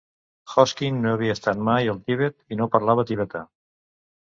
Hoskin no havia estat mai al Tibet i no parlava tibetà.